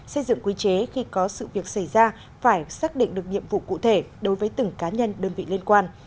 xây dựng quy chế khi có sự việc xảy ra phải xác định được nhiệm vụ cụ thể đối với từng cá nhân đơn vị liên quan